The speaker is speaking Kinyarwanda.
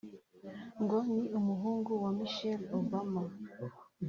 ngo ni umuhungu wa Michelle Obama